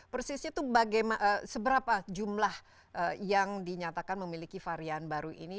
persisnya itu seberapa jumlah yang dinyatakan memiliki varian baru ini